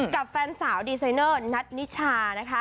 กับแฟนสาวดีไซน์เนอร์ณัฐนิชา